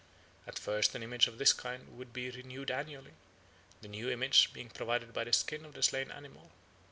At first an image of this kind would be renewed annually, the new image being provided by the skin of the slain animal.